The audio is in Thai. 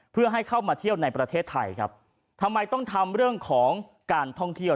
เพื่อให้เข้ามาเที่ยวในประเทศไทยครับทำไมต้องทำเรื่องของการท่องเที่ยว